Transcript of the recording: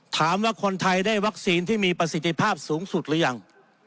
ถามว่าคนไทยได้วัคซีนที่มีประสิทธิภาพสูงสุดหรือยัง